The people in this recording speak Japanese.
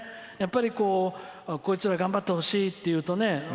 やっぱり、こいつら頑張ってほしいというとね